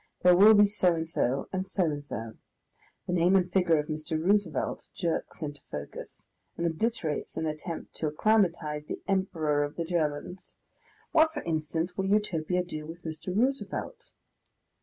There will be so and so, and so and so. The name and figure of Mr. Roosevelt jerks into focus, and obliterates an attempt to acclimatise the Emperor of the Germans. What, for instance, will Utopia do with Mr. Roosevelt?